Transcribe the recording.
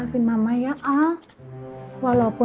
walaupun mama gak peduli sama aku